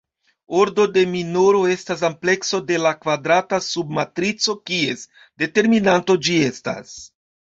Ordo de minoro estas amplekso de la kvadrata sub-matrico kies determinanto ĝi estas.